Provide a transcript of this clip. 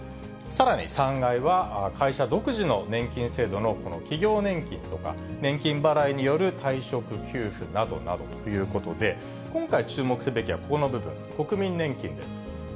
さらに３階は、会社独自の年金制度の企業年金とか、年金払いによる退職給付などなどということで、今回注目すべきはここの部分、国民年金です。